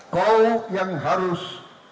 kau yang harus